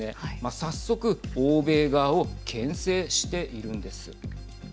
早速欧米側をけん制しているんです。